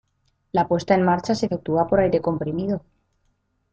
La puesta en marcha se efectúa por aire comprimido.